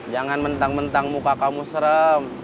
jangan mentang mentang muka kamu serem